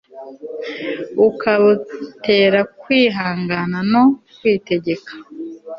ukabutera kwihangana no kwitegeka